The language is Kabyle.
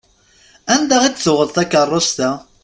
Anda i d-tuɣeḍ takerrust-a?